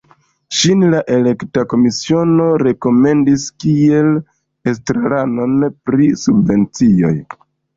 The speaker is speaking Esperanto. Ŝin la elekta komisiono rekomendis kiel estraranon pri subvencioj.